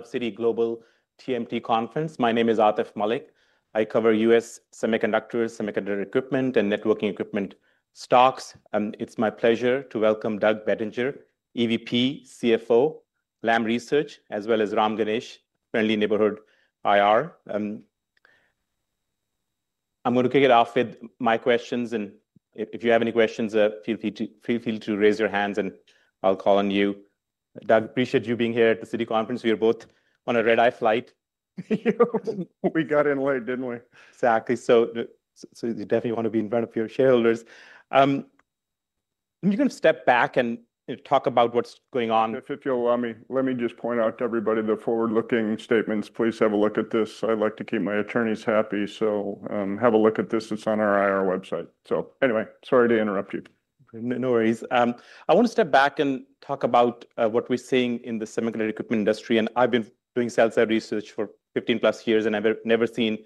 Citi Global TMT Conference. My name is Atif Malik. I cover U.S. Semiconductors, Semiconductor Equipment, and Networking Equipment Stocks. It's my pleasure to welcome Doug Bettinger, EVP, CFO, Lam Research, as well as Ram Ganesh, Friendly Neighborhood IR. I'm going to kick it off with my questions, and if you have any questions, feel free to raise your hands and I'll call on you. Doug, appreciate you being here at the Citi Conference. We are both on a red-eye flight. We got in late, didn't we? Exactly. You definitely want to be in front of your shareholders. You can step back and talk about what's going on. If you allow me, let me just point out to everybody the forward-looking statements. Please have a look at this. I like to keep my attorneys happy. Please have a look at this. It's on our IR website. Sorry to interrupt you. No worries. I want to step back and talk about what we're seeing in the semiconductor equipment industry. I've been doing sell-side research for 15+ years, and I've never seen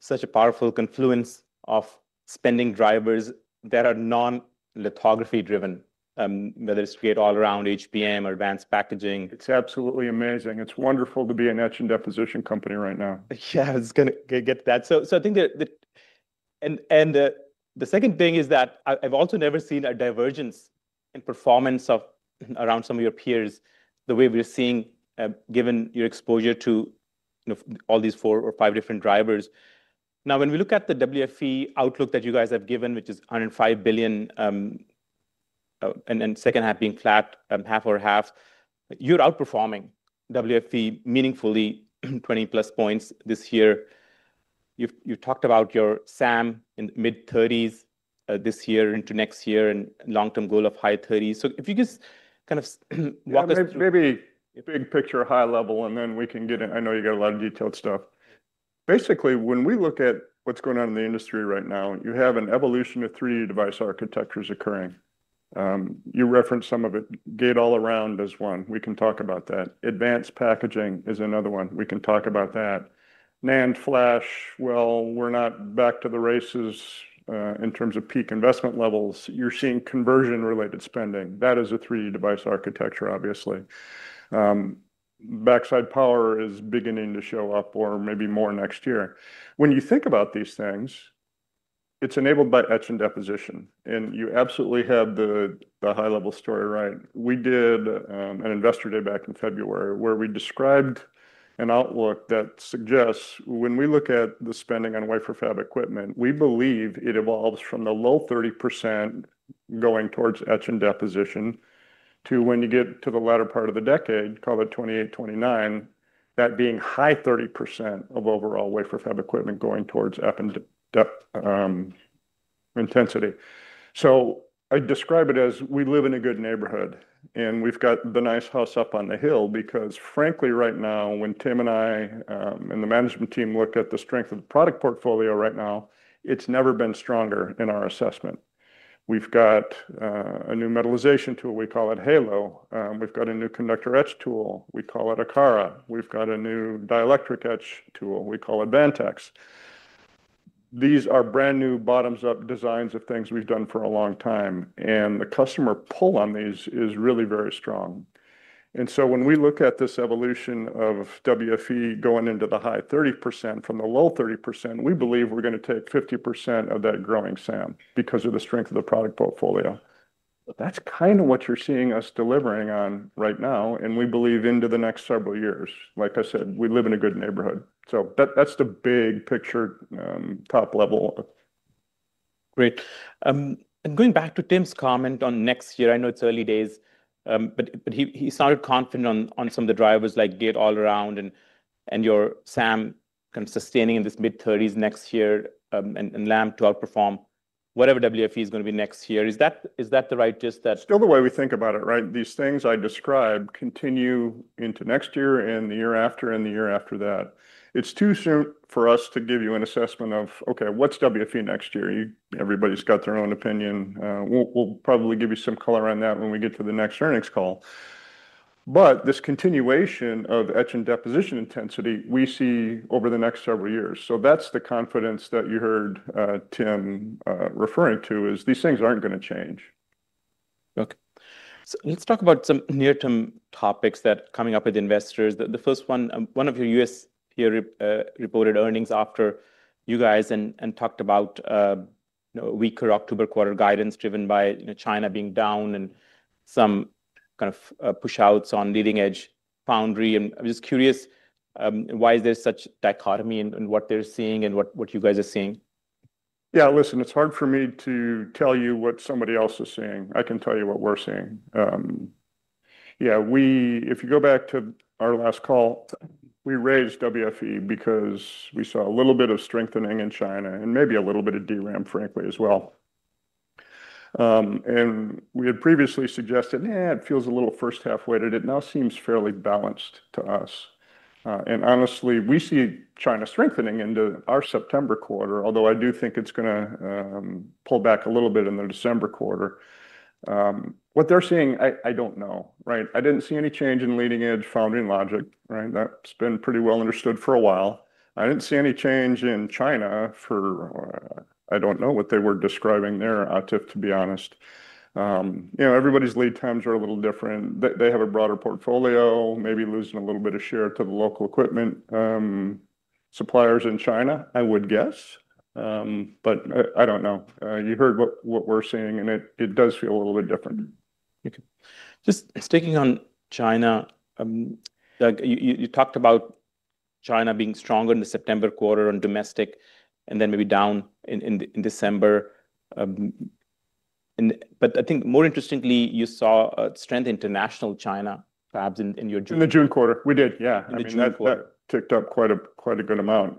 such a powerful confluence of spending drivers that are non-lithography driven, whether it's straight all around HBM or advanced packaging. It's absolutely amazing. It's wonderful to be an etch and deposition company right now. I was going to get to that. I think that, and the second thing is that I've also never seen a divergence in performance around some of your peers the way we're seeing given your exposure to all these four or five different drivers. Now, when we look at the WFE outlook that you guys have given, which is $105 billion, and second half being flat, half over half, you're outperforming WFE meaningfully, 20+ points this year. You've talked about your SAM in the mid-30% this year into next year and long-term goal of high 30%. If you just kind of walk us through. Maybe big picture, high level, and then we can get it. I know you got a lot of detailed stuff. Basically, when we look at what's going on in the industry right now, you have an evolution of 3D device architectures occurring. You referenced some of it. Gate-all-around is one. We can talk about that. Advanced packaging is another one. We can talk about that. NAND flash, we're not back to the races in terms of peak investment levels. You're seeing conversion-related spending. That is a 3D device architecture, obviously. Backside power is beginning to show up, or maybe more next year. When you think about these things, it's enabled by etch and deposition. You absolutely have the high-level story right. We did an investor day back in February where we described an outlook that suggests when we look at the spending on wafer fab equipment, we believe it evolves from the low 30% going towards etch and deposition to when you get to the latter part of the decade, call it 2028, 2029, that being high 30% of overall wafer fab equipment going towards etch and deposition intensity. I describe it as we live in a good neighborhood. We've got the nice house up on the hill because, frankly, right now, when Tim and I and the management team look at the strength of the product portfolio right now, it's never been stronger in our assessment. We've got a new metalization tool. We call it Halo. We've got a new conductor etch tool. We call it Akara. We've got a new dielectric etch tool. We call it Vantex. These are brand new bottoms-up designs of things we've done for a long time. The customer pull on these is really very strong. When we look at this evolution of WFE going into the high 30% from the low 30%, we believe we're going to take 50% of that growing SAM because of the strength of the product portfolio. That's kind of what you're seeing us delivering on right now. We believe into the next several years. Like I said, we live in a good neighborhood. That's the big picture, top level. Great. Going back to Tim's comment on next year, I know it's early days, but he sounded confident on some of the drivers like gate-all-around and your SAM kind of sustaining in this mid-30% next year and Lam to outperform whatever WFE is going to be next year. Is that the right gist? It's still the way we think about it, right? These things I describe continue into next year and the year after and the year after that. It's too soon for us to give you an assessment of, OK, what's WFE next year? Everybody's got their own opinion. We'll probably give you some color on that when we get to the next earnings call. This continuation of etch and deposition intensity we see over the next several years. That's the confidence that you heard Tim referring to is these things aren't going to change. OK. Let's talk about some near-term topics that are coming up with investors. The first one, one of your U.S. reported earnings after you guys and talked about weaker October quarter guidance driven by China being down and some kind of push-outs on leading-edge foundry. I'm just curious, why is there such dichotomy in what they're seeing and what you guys are seeing? Yeah, listen, it's hard for me to tell you what somebody else is seeing. I can tell you what we're seeing. If you go back to our last call, we raised WFE because we saw a little bit of strengthening in China and maybe a little bit of DRAM, frankly, as well. We had previously suggested it feels a little first half weighted. It now seems fairly balanced to us. Honestly, we see China strengthening into our September quarter, although I do think it's going to pull back a little bit in the December quarter. What they're seeing, I don't know, right? I didn't see any change in leading-edge foundry and logic, right? That's been pretty well understood for a while. I didn't see any change in China for, I don't know what they were describing there, Atif, to be honest. Everybody's lead times are a little different. They have a broader portfolio, maybe losing a little bit of share to the local equipment suppliers in China, I would guess. I don't know. You heard what we're seeing, and it does feel a little bit different. OK. Just sticking on China, Doug, you talked about China being stronger in the September quarter on domestic and then maybe down in December. I think more interestingly, you saw strength in international China, perhaps in your June. In the June quarter, we did, yeah. I mean, that ticked up quite a good amount.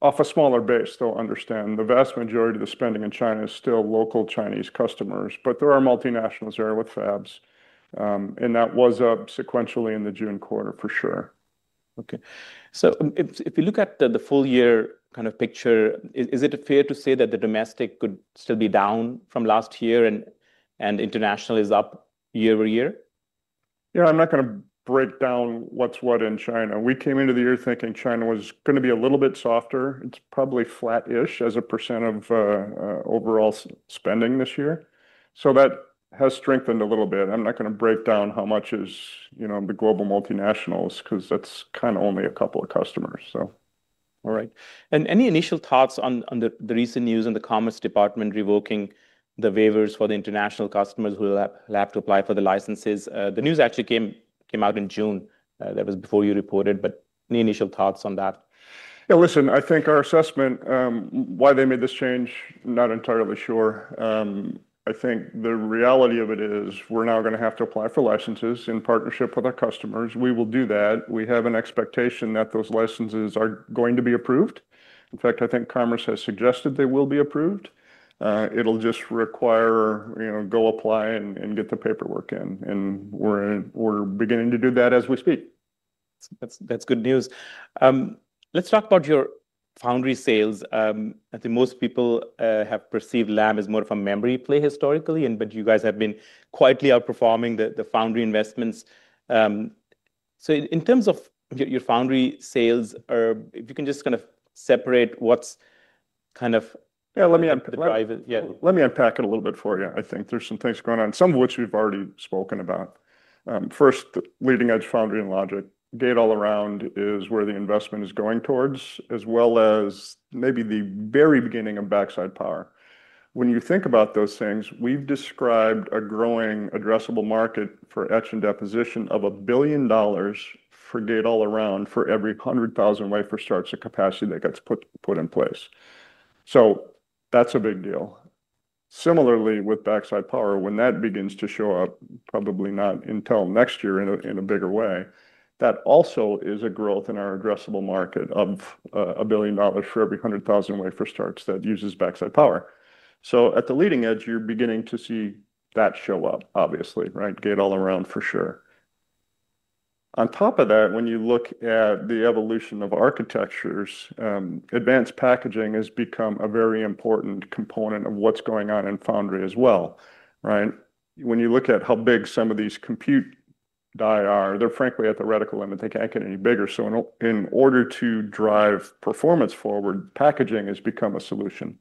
Off a smaller base, though, understand the vast majority of the spending in China is still local Chinese customers. There are multinationals there with fabs, and that was up sequentially in the June quarter, for sure. OK, if you look at the full year kind of picture, is it fair to say that the domestic could still be down from last year, and international is up year over year? Yeah, I'm not going to break down what's what in China. We came into the year thinking China was going to be a little bit softer. It's probably flat-ish as a percent of overall spending this year. That has strengthened a little bit. I'm not going to break down how much is the global multinationals because that's kind of only a couple of customers. All right. Any initial thoughts on the recent news in the U.S. Commerce Department revoking the waivers for the international customers who have to apply for the licenses? The news actually came out in June. That was before you reported. Any initial thoughts on that? Yeah, listen, I think our assessment, why they made this change, not entirely sure. I think the reality of it is we're now going to have to apply for licenses in partnership with our customers. We will do that. We have an expectation that those licenses are going to be approved. In fact, I think Commerce has suggested they will be approved. It'll just require, you know, go apply and get the paperwork in. We're beginning to do that as we speak. That's good news. Let's talk about your foundry sales. I think most people have perceived Lam as more of a memory play historically, but you guys have been quietly outperforming the foundry investments. In terms of your foundry sales, if you can just kind of separate what's kind of. Let me unpack it a little bit for you. I think there's some things going on, some of which we've already spoken about. First, the leading-edge foundry and logic, gate-all-around is where the investment is going towards, as well as maybe the very beginning of backside power. When you think about those things, we've described a growing addressable market for etch and deposition of $1 billion for gate-all-around for every 100,000 wafer starts of capacity that gets put in place. That's a big deal. Similarly, with backside power, when that begins to show up, probably not until next year in a bigger way, that also is a growth in our addressable market of $1 billion for every 100,000 wafer starts that uses backside power. At the leading edge, you're beginning to see that show up, obviously, right? Gate-all-around, for sure. On top of that, when you look at the evolution of architectures, advanced packaging has become a very important component of what's going on in foundry as well, right? When you look at how big some of these compute die are, they're frankly at theoretical limit. They can't get any bigger. In order to drive performance forward, packaging has become a solution.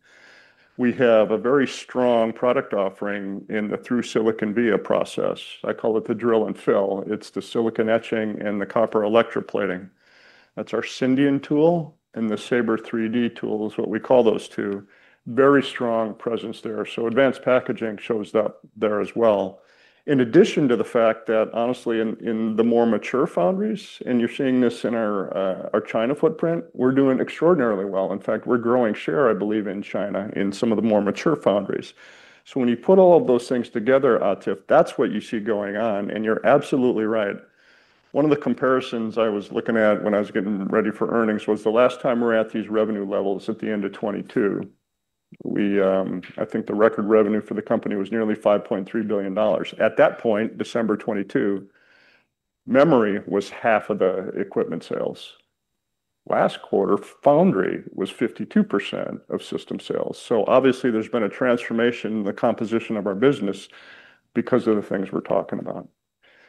We have a very strong product offering in the through-silicon via process. I call it the drill and fill. It's the silicon etching and the copper electroplating. That's our Cindian tool and the SABRE 3D tool is what we call those two. Very strong presence there. Advanced packaging shows up there as well. In addition to the fact that, honestly, in the more mature foundries, and you're seeing this in our China footprint, we're doing extraordinarily well. In fact, we're growing share, I believe, in China in some of the more mature foundries. When you put all of those things together, Atif, that's what you see going on. You're absolutely right. One of the comparisons I was looking at when I was getting ready for earnings was the last time we were at these revenue levels at the end of 2022. I think the record revenue for the company was nearly $5.3 billion. At that point, December 2022, memory was half of the equipment sales. Last quarter, foundry was 52% of system sales. Obviously, there's been a transformation in the composition of our business because of the things we're talking about.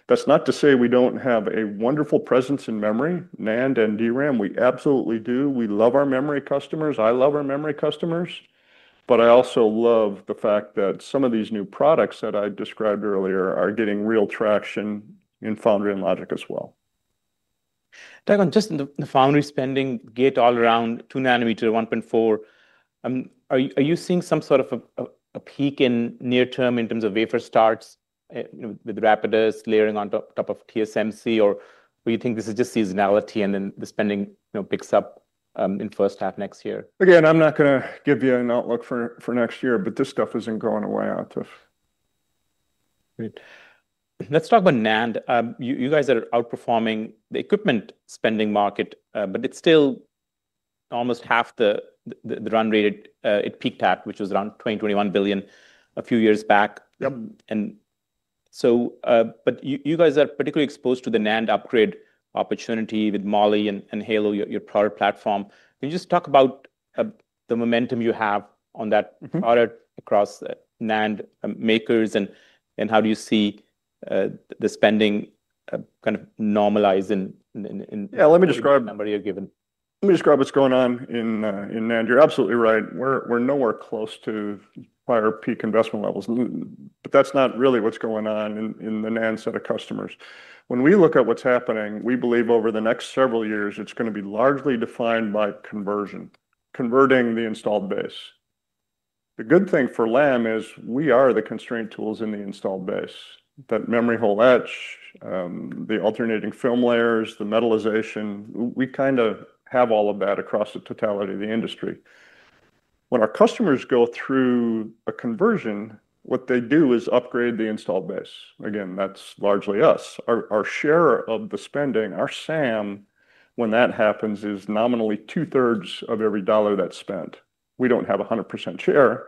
That's not to say we don't have a wonderful presence in memory, NAND and DRAM. We absolutely do. We love our memory customers. I love our memory customers. I also love the fact that some of these new products that I described earlier are getting real traction in foundry and logic as well. Doug, on just the foundry spending, gate-all-around, 2 nm, 1.4 nm, are you seeing some sort of a peak in near term in terms of wafer starts with Rapidus layering on top of TSMC, or do you think this is just seasonality and then the spending picks up in first half next year? Again, I'm not going to give you an outlook for next year, but this stuff isn't going away, Atif. Let's talk about NAND. You guys are outperforming the equipment spending market, but it's still almost half the run rate it peaked at, which was around $20.1 billion a few years back. You guys are particularly exposed to the NAND upgrade opportunity with Vantex and Halo, your product platform. Can you just talk about the momentum you have on that product across NAND makers and how do you see the spending kind of normalizing in the number you're given? Let me describe what's going on in NAND. You're absolutely right. We're nowhere close to prior peak investment levels. That's not really what's going on in the NAND set of customers. When we look at what's happening, we believe over the next several years, it's going to be largely defined by conversion, converting the installed base. The good thing for Lam is we are the constraint tools in the installed base. That memory hole etch, the alternating film layers, the metalization, we kind of have all of that across the totality of the industry. When our customers go through a conversion, what they do is upgrade the installed base. That's largely us. Our share of the spending, our SAM, when that happens, is nominally 2/3 of every dollar that's spent. We don't have 100% share,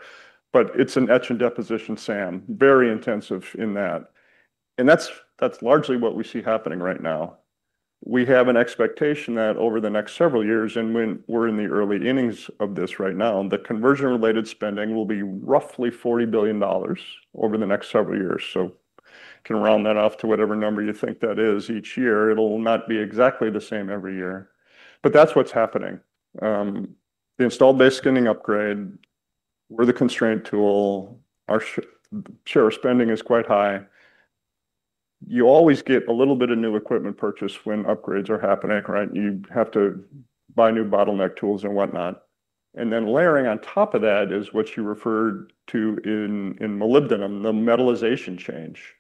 but it's an etch and deposition SAM, very intensive in that. That's largely what we see happening right now. We have an expectation that over the next several years, and we're in the early innings of this right now, the conversion-related spending will be roughly $40 billion over the next several years. You can round that off to whatever number you think that is each year. It'll not be exactly the same every year. That's what's happening. The installed base spending upgrade, we're the constraint tool. Our share of spending is quite high. You always get a little bit of new equipment purchase when upgrades are happening, right? You have to buy new bottleneck tools and whatnot. Layering on top of that is what you referred to in molybdenum, the metalization change.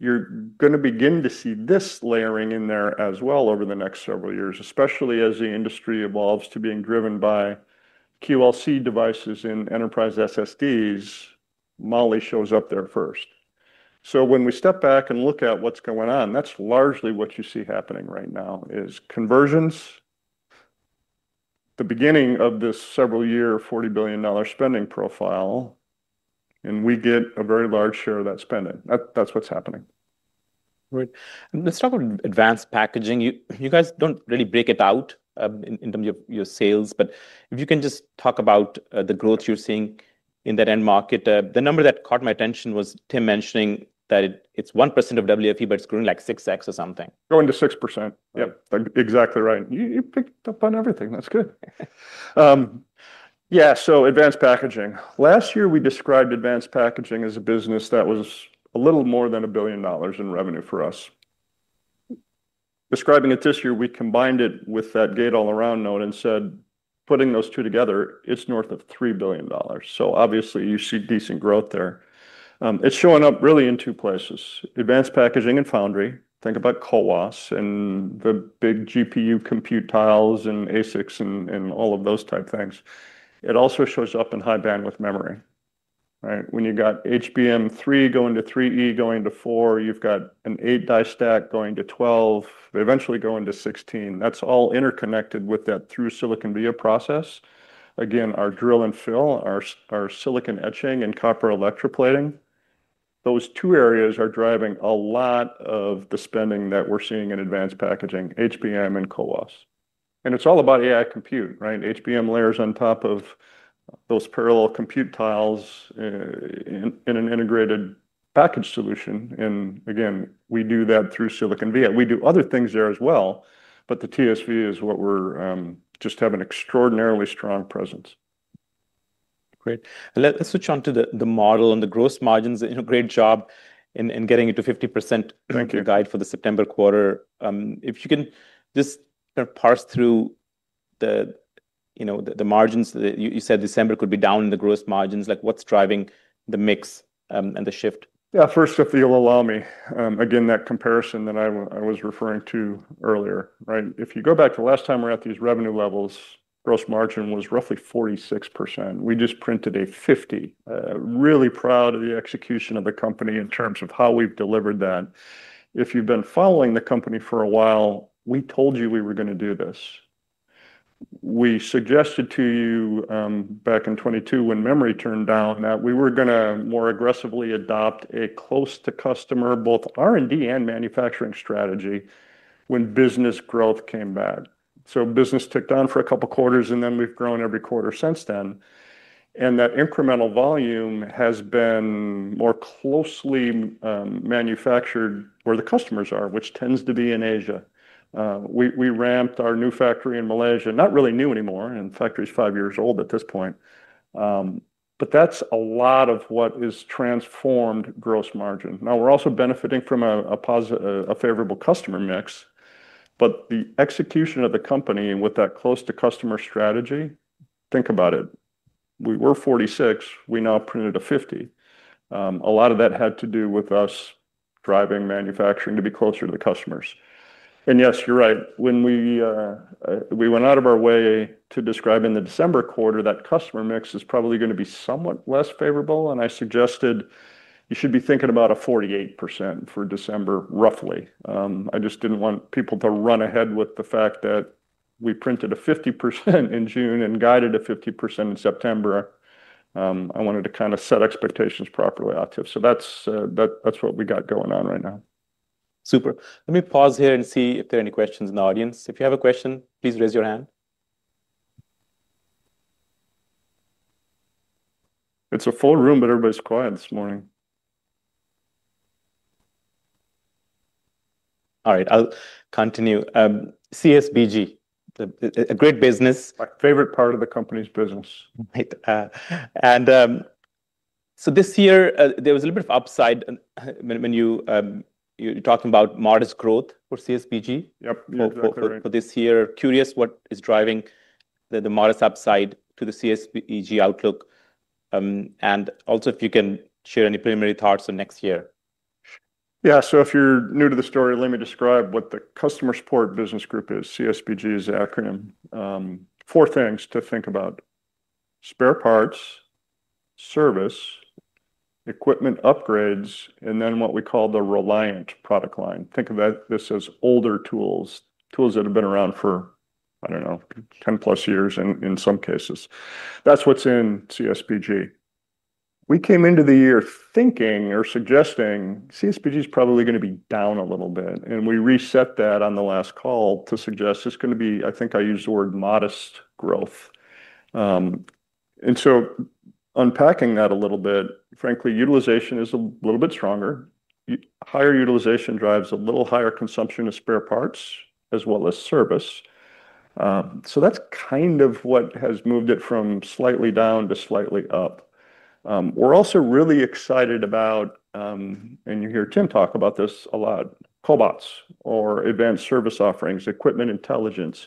You're going to begin to see this layering in there as well over the next several years, especially as the industry evolves to being driven by QLC devices in enterprise SSDs. Mali shows up there first. When we step back and look at what's going on, that's largely what you see happening right now is conversions, the beginning of this several-year $40 billion spending profile, and we get a very large share of that spending. That's what's happening. Right. Let's talk about advanced packaging. You guys don't really break it out in terms of your sales, but if you can just talk about the growth you're seeing in that end market, the number that caught my attention was Tim mentioning that it's 1% of WFE, but it's growing like 6x or something. Going to 6%. Yeah, exactly right. You picked up on everything. That's good. Yeah, so advanced packaging. Last year, we described advanced packaging as a business that was a little more than $1 billion in revenue for us. Describing it this year, we combined it with that gate-all-around note and said, putting those two together, it's north of $3 billion. Obviously, you see decent growth there. It's showing up really in two places, advanced packaging and foundry. Think about CoWoS and the big GPU compute tiles and ASICs and all of those type things. It also shows up in high-bandwidth memory, right? When you've got HBM3 going to 3E, going to 4, you've got an 8-die stack going to 12, eventually going to 16. That's all interconnected with that through-silicon via process. Again, our drill and fill, our silicon etching, and copper electroplating, those two areas are driving a lot of the spending that we're seeing in advanced packaging, HBM, and CoWoS. It's all about AI compute, right? HBM layers on top of those parallel compute tiles in an integrated package solution. We do that through-silicon via. We do other things there as well. The TSV is what we're just having extraordinarily strong presence. Great. Let's switch on to the model and the gross margins. You've done a great job in getting it to 50%. Thank you. Guide for the September quarter. If you can just kind of parse through the margins, you said December could be down in the gross margins. What's driving the mix and the shift? Yeah, first, if you'll allow me, again, that comparison that I was referring to earlier, right? If you go back to the last time we were at these revenue levels, gross margin was roughly 46%. We just printed a 50%. Really proud of the execution of the company in terms of how we've delivered that. If you've been following the company for a while, we told you we were going to do this. We suggested to you back in 2022 when memory turned down that we were going to more aggressively adopt a close-to-customer both R&D and manufacturing strategy when business growth came back. Business ticked on for a couple of quarters, and then we've grown every quarter since then. That incremental volume has been more closely manufactured where the customers are, which tends to be in Asia. We ramped our new factory in Malaysia, not really new anymore. The factory is five years old at this point. That's a lot of what has transformed gross margin. We're also benefiting from a favorable customer mix. The execution of the company with that close-to-customer strategy, think about it. We were 46%. We now printed a 50%. A lot of that had to do with us driving manufacturing to be closer to the customers. Yes, you're right. When we went out of our way to describe in the December quarter that customer mix is probably going to be somewhat less favorable. I suggested you should be thinking about a 48% for December, roughly. I just didn't want people to run ahead with the fact that we printed a 50% in June and guided a 50% in September. I wanted to kind of set expectations properly, Atif. That's what we got going on right now. Super. Let me pause here and see if there are any questions in the audience. If you have a question, please raise your hand. It's a full room, but everybody's quiet this morning. All right, I'll continue. CSBG, a great business. My favorite part of the company's business. Right. This year, there was a little bit of upside when you talked about modest growth for CSBG. Yep, more correct. For this year, curious what is driving the modest upside to the CSBG outlook. Also, if you can share any preliminary thoughts on next year. Yeah, so if you're new to the story, let me describe what the Customer Support Business Group is. CSBG is the acronym. Four things to think about: spare parts, service, equipment upgrades, and then what we call the Reliant product line. Think of this as older tools, tools that have been around for, I don't know, 10 plus years in some cases. That's what's in CSBG. We came into the year thinking or suggesting CSBG is probably going to be down a little bit. We reset that on the last call to suggest it's going to be, I think I used the word modest growth. Unpacking that a little bit, frankly, utilization is a little bit stronger. Higher utilization drives a little higher consumption of spare parts as well as service. That's kind of what has moved it from slightly down to slightly up. We're also really excited about, and you hear Tim talk about this a lot, cobots or advanced service offerings, equipment intelligence.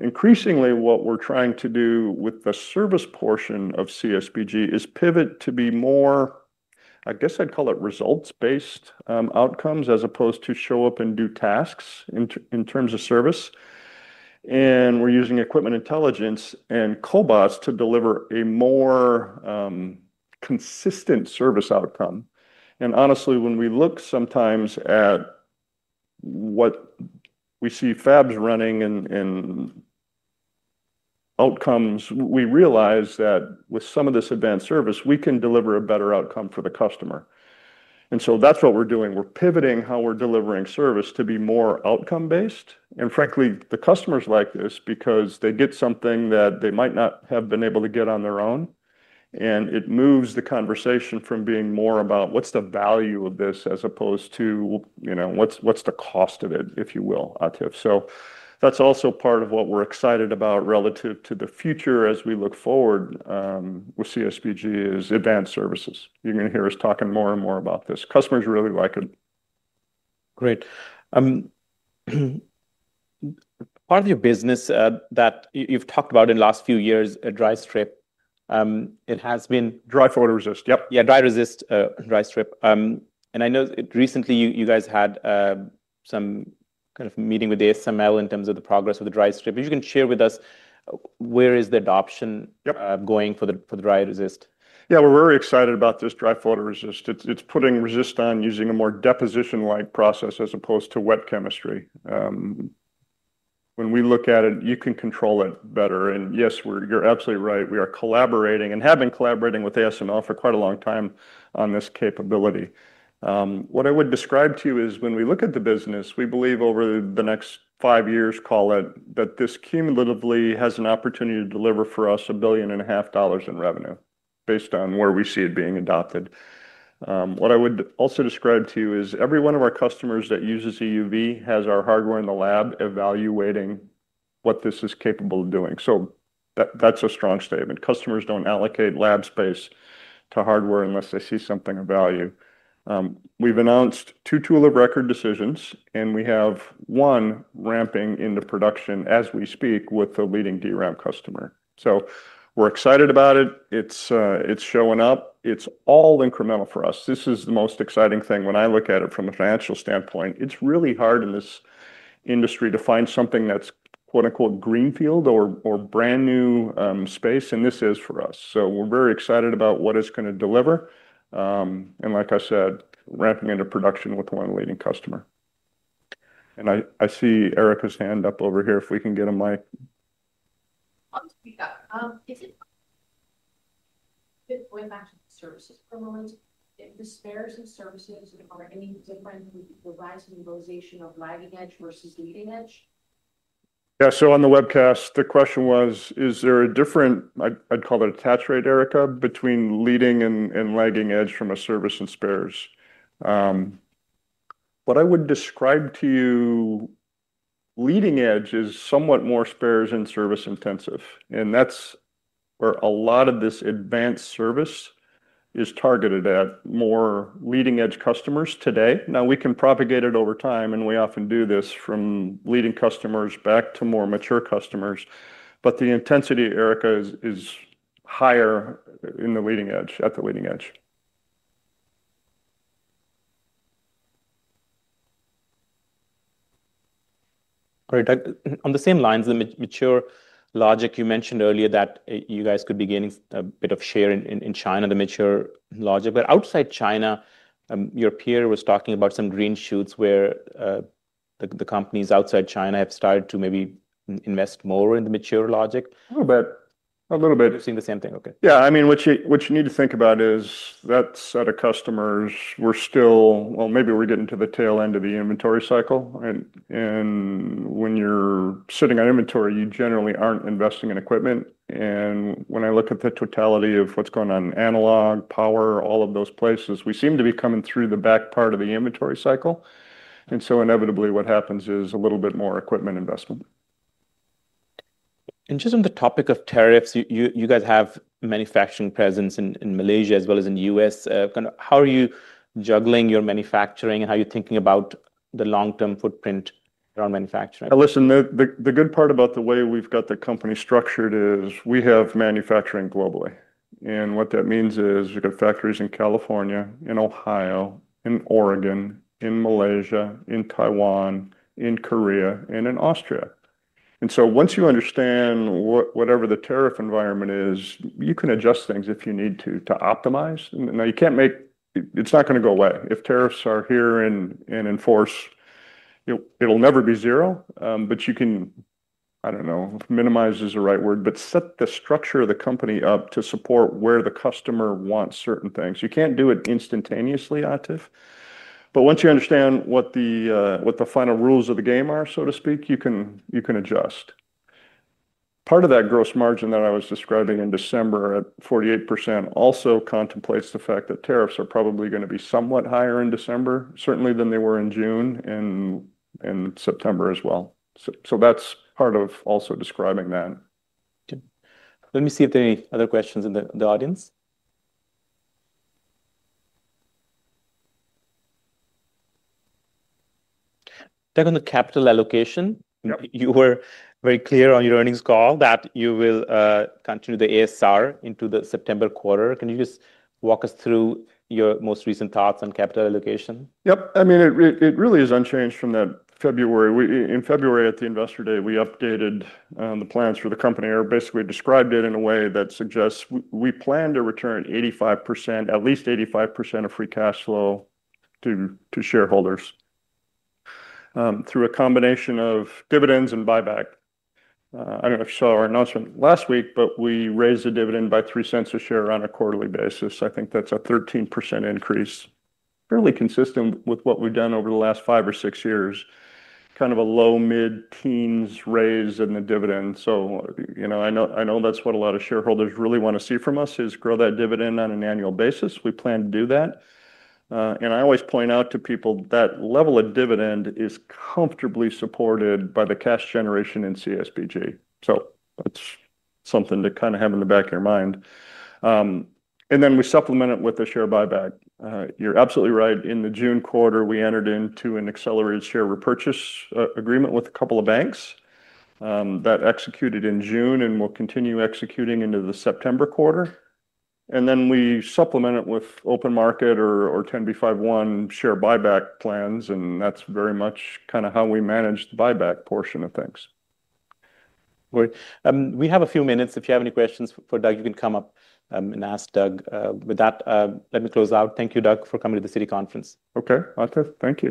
Increasingly, what we're trying to do with the service portion of CSBG is pivot to be more, I guess I'd call it results-based outcomes as opposed to show up and do tasks in terms of service. We're using equipment intelligence and cobots to deliver a more consistent service outcome. Honestly, when we look sometimes at what we see fabs running and outcomes, we realize that with some of this advanced service, we can deliver a better outcome for the customer. That's what we're doing. We're pivoting how we're delivering service to be more outcome-based. Frankly, the customers like this because they get something that they might not have been able to get on their own. It moves the conversation from being more about what's the value of this as opposed to, you know, what's the cost of it, if you will, Atif. That's also part of what we're excited about relative to the future as we look forward with CSBG is advanced services. You're going to hear us talking more and more about this. Customers really like it. Great. Part of your business that you've talked about in the last few years, dry strip, it has been. Aether dry-resist solution, yep. Yeah, Dry Resist, Dry Strip. I know recently you guys had some kind of meeting with ASML in terms of the progress of the Dry Strip. If you can share with us, where is the adoption going for the Dry Resist? Yeah, we're very excited about this Aether dry-resist solution. It's putting resist on using a more deposition-like process as opposed to wet chemistry. When we look at it, you can control it better. Yes, you're absolutely right. We are collaborating and have been collaborating with ASML for quite a long time on this capability. What I would describe to you is when we look at the business, we believe over the next five years, call it, that this cumulatively has an opportunity to deliver for us $1.5 billion in revenue based on where we see it being adopted. What I would also describe to you is every one of our customers that uses EUV has our hardware in the lab evaluating what this is capable of doing. That's a strong statement. Customers don't allocate lab space to hardware unless they see something of value. We've announced two tool of record decisions, and we have one ramping into production as we speak with the leading DRAM customer. We're excited about it. It's showing up. It's all incremental for us. This is the most exciting thing when I look at it from the financial standpoint. It's really hard in this industry to find something that's quote unquote greenfield or brand new space, and this is for us. We're very excited about what it's going to deliver. Like I said, ramping into production with one leading customer. I see Erik's hand up over here. If we can get a mic. If you think about the spares or services, are there any different horizon utilization of lagging edge versus leading edge? Yeah, on the webcast, the question was, is there a different, I'd call it attach rate, Erika, between leading and lagging edge from a service and spares? What I would describe to you, leading edge is somewhat more spares and service intensive. That's where a lot of this advanced service is targeted at more leading edge customers today. We can propagate it over time, and we often do this from leading customers back to more mature customers. The intensity, Erika, is higher in the leading edge, at the leading edge. Great. On the same lines, the mature logic you mentioned earlier that you guys could be gaining a bit of share in China, the mature logic. Outside China, your peer was talking about some green shoots where the companies outside China have started to maybe invest more in the mature logic. A little bit. A little bit. You're seeing the same thing. Yeah, I mean, what you need to think about is that set of customers, we're still, maybe we're getting to the tail end of the inventory cycle. When you're sitting on inventory, you generally aren't investing in equipment. When I look at the totality of what's going on, analog, power, all of those places, we seem to be coming through the back part of the inventory cycle. Inevitably, what happens is a little bit more equipment investment. On the topic of tariffs, you guys have a manufacturing presence in Malaysia as well as in the U.S. How are you juggling your manufacturing? How are you thinking about the long-term footprint around manufacturing? Listen, the good part about the way we've got the company structured is we have manufacturing globally. What that means is we've got factories in California, in Ohio, in Oregon, in Malaysia, in Taiwan, in Korea, and in Austria. Once you understand whatever the tariff enviroent is, you can adjust things if you need to to optimize. You can't make, it's not going to go away. If tariffs are here and enforced, it'll never be zero. You can minimize, I don't know if minimize is the right word, but set the structure of the company up to support where the customer wants certain things. You can't do it instantaneously, Atif. Once you understand what the final rules of the game are, so to speak, you can adjust. Part of that gross margin that I was describing in December at 48% also contemplates the fact that tariffs are probably going to be somewhat higher in December, certainly than they were in June and in September as well. That's part of also describing that. Let me see if there are any other questions in the audience. Doug, on the capital allocation, you were very clear on your earnings call that you will continue the ASR into the September quarter. Can you just walk us through your most recent thoughts on capital allocation? Yep. I mean, it really is unchanged from that February. In February, at the investor day, we updated the plans for the company or basically described it in a way that suggests we plan to return at least 85% of free cash flow to shareholders through a combination of dividends and buyback. I don't know if you saw our announcement last week, but we raised the dividend by $0.03 a share on a quarterly basis. I think that's a 13% increase, fairly consistent with what we've done over the last five or six years, kind of a low mid-teens raise in the dividend. I know that's what a lot of shareholders really want to see from us is grow that dividend on an annual basis. We plan to do that. I always point out to people that level of dividend is comfortably supported by the cash generation in CSBG. That's something to kind of have in the back of your mind. We supplement it with a share buyback. You're absolutely right. In the June quarter, we entered into an accelerated share repurchase agreement with a couple of banks that executed in June and will continue executing into the September quarter. We supplement it with open market or 10B51 share buyback plans. That's very much kind of how we manage the buyback portion of things. We have a few minutes. If you have any questions for Doug, you can come up and ask Doug. With that, let me close out. Thank you, Doug, for coming to the Citi Conference. OK, Atif, thank you.